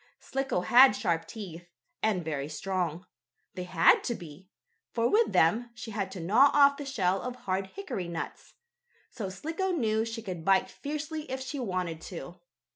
Slicko had sharp teeth, and very strong. They had to be, for with them she had to gnaw off the shell of hard hickory nuts. So Slicko knew she could bite fiercely if she wanted to.